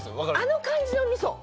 あの感じの味噌。